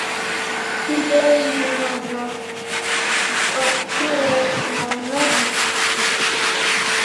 Il donne des vins blancs en Touraine et en Anjou.